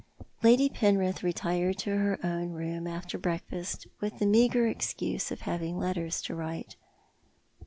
Lady Penrith retired to her own room after breakfast, with the meagre excuse of having letters to write.